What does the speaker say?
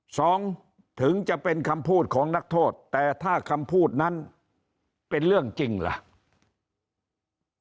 ถึงจะเป็นคำพูดของนักโทษแต่ถ้าคำพูดนั้นเป็นเรื่องจริงล่ะ